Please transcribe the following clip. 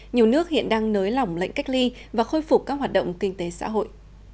nhiều nước hiện đang nới lỏng lệnh cách ly và khôi phục các hoạt động kinh tế xã hội